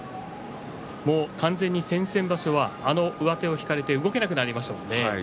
完全に先々場所はあの上手を引かれて動けなくなりましたもんね。